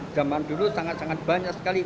zaman dulu sangat sangat banyak sekali